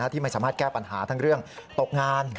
ที่ไม่สามารถแก้ปัญหาทั้งเรื่องตกงาน